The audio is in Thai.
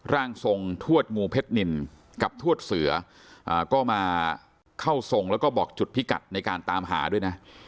ร่างทรงทวดงูเพชรนินกับทวดเสือก็มาเข้าทรงแล้วก็บอกจุดพิกัดในการตามหาด้วยนะ